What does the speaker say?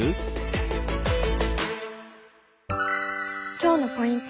今日のポイント